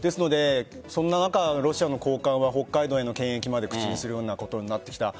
そんな中、ロシアの高官は北海道での権益まで口にするようなことになってきた。